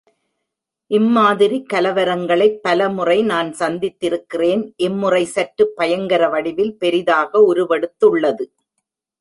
இம்மாதிரி கலவரங்களைப் பலமுறை நான் சந்தித்திருக்கிறேன் இம்முறை சற்று பயங்கர வடிவில் பெரிதாக உருவெடுத்துள்ளது.